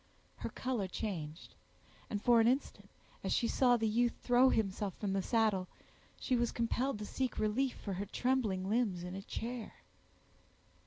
Her color changed, and for an instant, as she saw the youth throw himself from the saddle, she was compelled to seek relief for her trembling limbs in a chair.